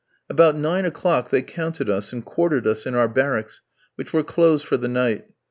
About nine o'clock they counted us, and quartered us in our barracks, which were closed for the night.